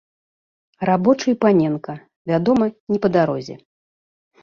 Рабочы і паненка, вядома, не па дарозе.